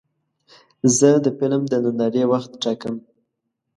زه د فلم د نندارې وخت ټاکم.